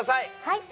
はい。